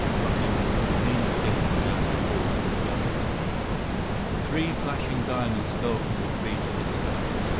But you will do meaner things than that before you die." Three flashing diamonds fell from the tree to the turf.